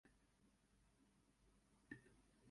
Порцік, да якога вялі прыступкі, утвараў закрытую тэрасу.